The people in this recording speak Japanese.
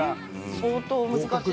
相当、難しい。